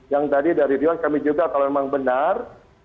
yang tadi dari rian kami juga kalau memang benar